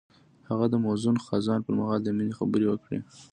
هغه د موزون خزان پر مهال د مینې خبرې وکړې.